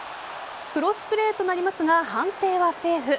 クロスプレーとなりますが判定はセーフ。